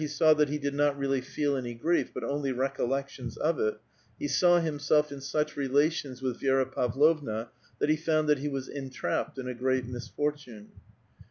W that he did not really feel any grief, but only recollec ^^Us of it, he saw himself in such relations with Vi6ra •■^^vlovna that he found that he was entrapped in a great "^Wortune.